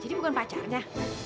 jadi bukan pacarnya